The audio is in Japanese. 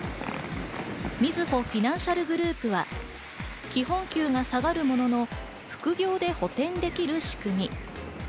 みずほフィナンシャルグループは基本給は下がるものの副業で補てんできる仕組み。